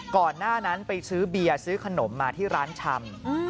ก่อนหน้านั้นไปซื้อเบียร์ซื้อขนมมาที่ร้านชำ